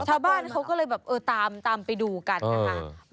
ชาวบ้านเขาก็เลยแบบเออตามไปดูกันนะคะ